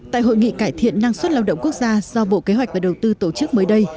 tại hội nghị cải thiện năng suất lao động quốc gia do bộ kế hoạch và đầu tư tổ chức mới đây